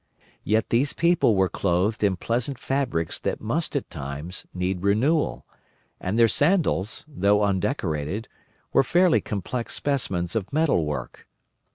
Yet these people were clothed in pleasant fabrics that must at times need renewal, and their sandals, though undecorated, were fairly complex specimens of metalwork.